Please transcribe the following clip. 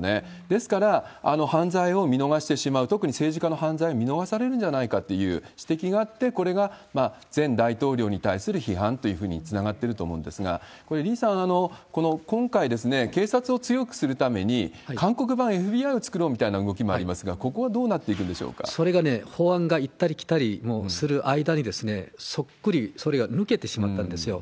ですから、犯罪を見逃してしまう、特に政治家の犯罪、見逃されるんじゃないかという指摘があって、これが前大統領に対する批判というふうにつながってると思うんですが、これ、李さん、今回、検察を強くするために、韓国版ＦＢＩを作ろうみたいな動きもありますが、ここはどうなっそれがね、法案が行ったり来たりする間に、そっくりそれが抜けてしまったんですよ。